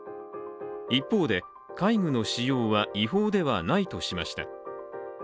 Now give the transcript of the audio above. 一方で戒具の使用は違法ではないとしました。